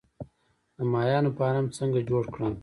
د ماهیانو فارم څنګه جوړ کړم؟